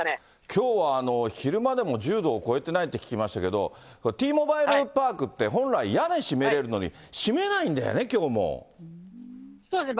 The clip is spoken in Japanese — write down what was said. きょうは昼間でも１０度を超えてないって聞きましたけど、これ、Ｔーモバイルパークって、本来、屋根閉めれるのに、閉めないんだそうですね。